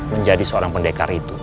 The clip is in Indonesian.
menjadi seorang pendekar itu